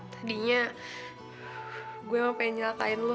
tadinya gue mah pengen nyalakain lo